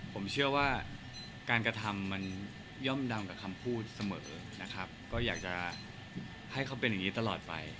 ผมเชื่อว่าการกระทำมันย่อมดำกับคำพูดเสมอนะครับก็อยากจะให้เขาเป็นอย่างนี้ตลอดไป